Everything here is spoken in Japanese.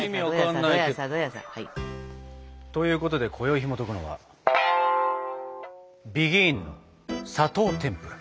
どやさどやさ。ということでこよいひもとくのは「ＢＥＧＩＮ」の砂糖てんぷら。